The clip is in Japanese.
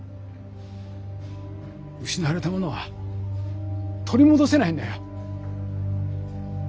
失われたものは取り戻せないんだよ。